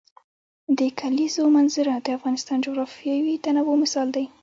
د کلیزو منظره د افغانستان د جغرافیوي تنوع مثال دی.